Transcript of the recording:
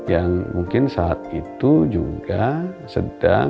yang mungkin saat itu juga sedang